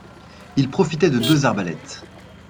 Ils profitaient de deux arbalètes.